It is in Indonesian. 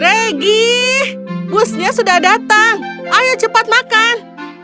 regi busnya sudah datang ayo cepat makan